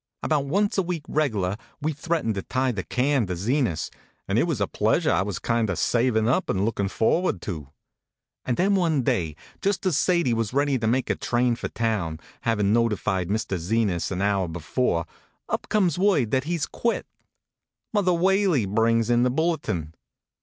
About once a week reg lar we threatened to tie the can to Zenas, and it was a pleasure I was kind of savin up and lookin forward to. HONK, HONK! And then one day, just as Sadie was ready to make a train for town, havin noti fied Mr. Zenas an hour before, up comes word that he s quit. Mother Whaley brings in the bulletin.